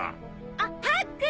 あっハック！